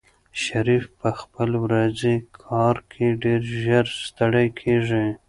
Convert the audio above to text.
شریف په خپل ورځني کار کې ډېر ژر ستړی کېږي.